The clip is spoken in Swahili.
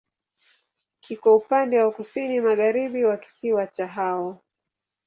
Kiko upande wa kusini-magharibi wa kisiwa cha Hao.